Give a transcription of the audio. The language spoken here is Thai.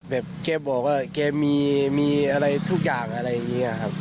แกบอกว่าแกมีอะไรทุกอย่างอะไรอย่างนี้ครับ